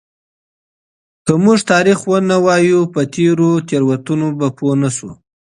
که موږ تاریخ ونه لولو نو په تېرو تېروتنو به پوه نسو.